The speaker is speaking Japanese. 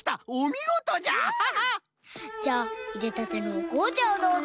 じゃあいれたてのおこうちゃをどうぞ。